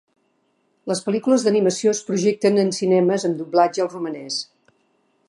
Les pel·lícules d'animació es projecten en cinemes amb doblatge al romanès.